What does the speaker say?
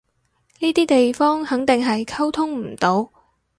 嗰啲地方肯定係溝通唔到